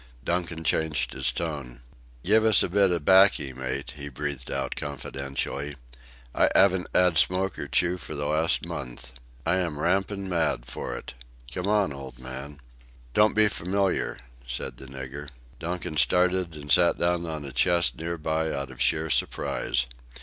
Donkin changed his tone: "Giv' us a bit of 'baccy, mate," he breathed out confidentially, "I 'aven't 'ad smoke or chew for the last month. I am rampin' mad for it. Come on, old man!" "Don't be familiar," said the nigger. Donkin started and sat down on a chest near by, out of sheer surprise.